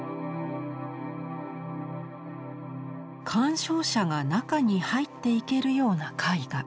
鑑賞者が中に入っていけるような絵画。